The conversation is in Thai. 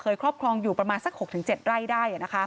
ครอบครองอยู่ประมาณสัก๖๗ไร่ได้